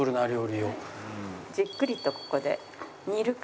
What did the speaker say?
じっくりとここで煮る感じね。